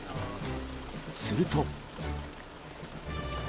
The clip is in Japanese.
すると。